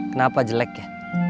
kenapa jelek ya